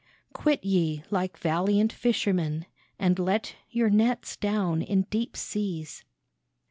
Quit ye like valiant fishermen, and let Your nets down in deep seas.